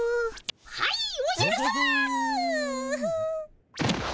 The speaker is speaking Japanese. はいおじゃるさま。